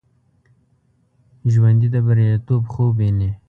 ژوندي د بریالیتوب خوب ویني